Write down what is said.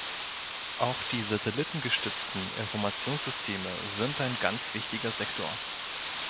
Auch die satellitengestützten Informationssysteme sind ein ganz wichtiger Sektor.